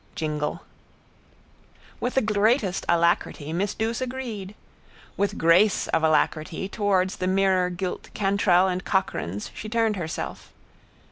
Jingle. —With the greatest alacrity, miss Douce agreed. With grace of alacrity towards the mirror gilt Cantrell and Cochrane's she turned herself.